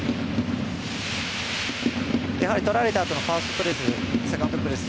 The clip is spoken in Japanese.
やはりとられたあとのファーストプレスセカンドプレス